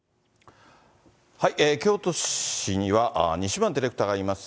京都市には西村ディレクターがいます。